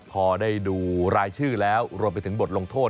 พอได้ดูรายชื่อแล้วรวมไปถึงบทลงโทษ